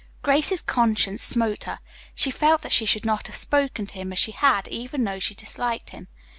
Grace's conscience smote her. She felt that she should not have spoken to him as she had, even though she disliked him.